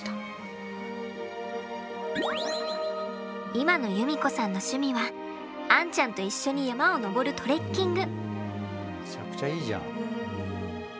今の由実子さんの趣味はアンちゃんと一緒に山を登るトレッキング。